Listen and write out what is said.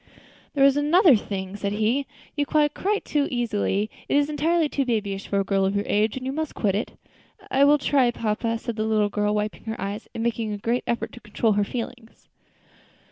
"There is another thing," said he. "You cry quite too easily; it is entirely too babyish for a girl of your age; you must quit it." "I will try, papa," said the little girl, wiping her eyes, and making a great effort to control her feelings.